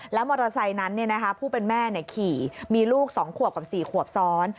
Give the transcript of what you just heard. มอเตอร์ไซค์นั้นผู้เป็นแม่ขี่มีลูก๒ขวบกับ๔ขวบซ้อน